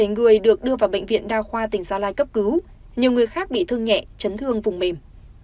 một mươi bảy người được đưa vào bệnh viện đa khoa tỉnh gia lai cấp cứu nhiều người khác bị thương nhẹ chấn thương vùng mềm